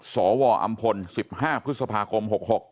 สวอำพล๑๕พฤษภาคม๖๖